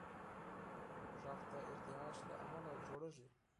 غږ د ارتعاش له امله جوړېږي.